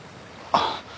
あっ